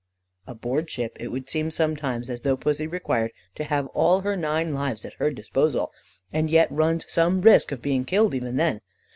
Aboard ship it would seem sometimes as though Pussy required to have all her nine lives at her disposal, and yet runs some risk of being killed even then.